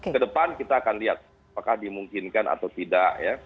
kedepan kita akan lihat apakah dimungkinkan atau tidak ya